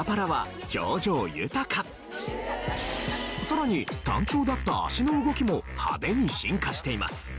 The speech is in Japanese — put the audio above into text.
さらに単調だった足の動きも派手に進化しています。